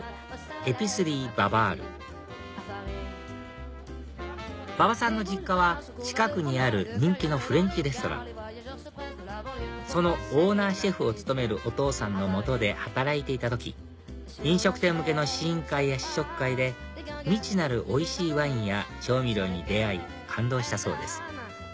ＥｐｉｃｅｒｉｅＢａｂａＲ馬場さんの実家は近くにある人気のフレンチレストランそのオーナーシェフを務めるお父さんの下で働いていた時飲食店向けの試飲会や試食会で未知なるおいしいワインや調味料に出会い感動したそうです